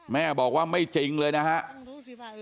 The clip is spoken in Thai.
แม่บอกว่าไม่จริงเลยนะครับ